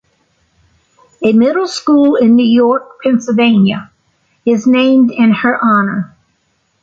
A middle school in York, Pennsylvania, is named in her honor.